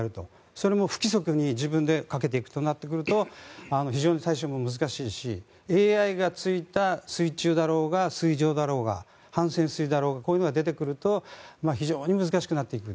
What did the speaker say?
それも不規則に自分でかけていくとなると非常に対処も難しいしＡＩがついた、水中だろうが水上だろうが、半潜水だろうがこういうのが出てくると非常に難しくなっていく。